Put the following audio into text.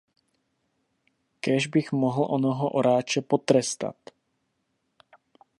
Kéž bych mohl onoho oráče potrestat!